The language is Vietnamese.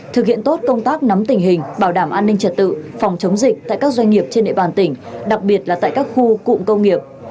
thực hiện tốt công tác nắm tình hình bảo đảm an ninh trật tự phòng chống dịch tại các doanh nghiệp trên địa bàn tỉnh đặc biệt là tại các khu cụm công nghiệp